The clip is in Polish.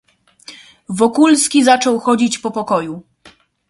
"Wokulski zaczął chodzić po pokoju."